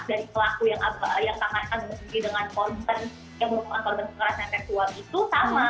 dari pelaku yang apa yang tangankan bersama dengan korban yang merupakan korban kekerasan seksual itu sama